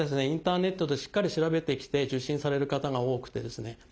インターネットでしっかり調べてきて受診される方が多くてですね